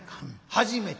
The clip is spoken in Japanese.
「初めて」。